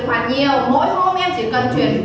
mỗi hôm em chỉ cần chuyển